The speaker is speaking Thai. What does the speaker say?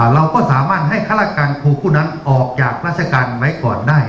เราก็สามารถให้ฆาตการครูผู้นั้นออกจากราชการไว้ก่อนได้